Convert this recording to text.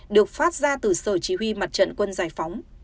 được phát ra từ sở chỉ huy mặt trận quân giải phóng